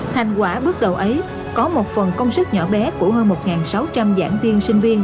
thành quả bước đầu ấy có một phần công sức nhỏ bé của hơn một sáu trăm linh giảng viên sinh viên